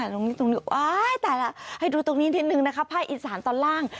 ว้าวตายแล้วให้ดูตรงนี้นิดหนึ่งนะครับภายอินสารตอนล่าง